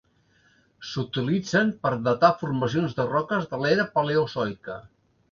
S'utilitzen per a datar formacions de roques de l'era paleozoica.